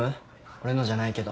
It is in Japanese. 俺のじゃないけど。